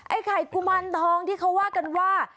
ไข่กุมารทองที่เขาว่ากันว่า